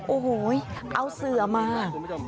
โอ้โหเอาเสือมา